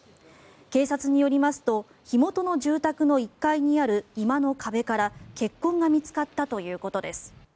警察によりますと火元の住宅の１階にある居間の壁から血痕が見つかったということです。